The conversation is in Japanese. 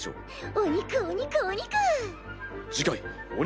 お肉お肉お肉！